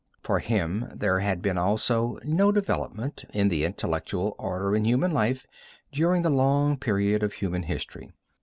For him there had been also no development in the intellectual order in human life during the long period of human history.